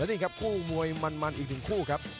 นี่ครับคู่มวยมันอีกหนึ่งคู่ครับ